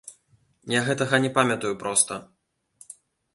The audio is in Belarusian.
Я гэтага не памятаю проста.